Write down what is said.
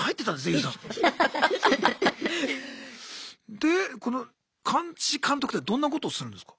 でこの監視・監督ってどんなことをするんですか？